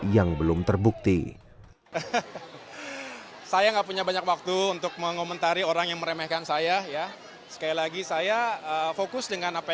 yang telah diperlukan oleh pns bidang pendidikan jakarta